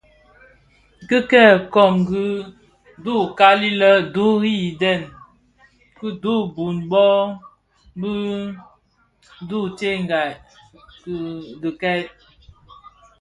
Ki kè kongi dhu kali lè duri ideň bituu bum bō dhubtèngai dikèè.